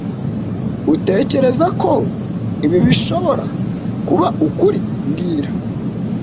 Utekereza ko ibi bishobora kuba ukuri mbwira